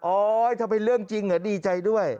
โอ๊ยถ้าเป็นเรื่องจริงเหอะดีใจด้วย